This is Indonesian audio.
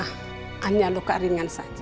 hanya luka ringan saja